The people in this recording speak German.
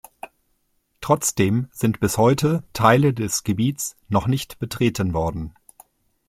Trotzdem sind bis heute Teile des Gebiets noch nicht betreten worden.